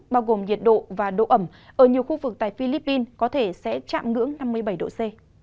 bao gồm nhiệt độ và độ ẩm ở nhiều khu vực tại philippines có thể sẽ chạm ngưỡng năm mươi bảy độ c